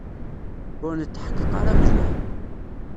Ur netḥeqqeq ara mliḥ.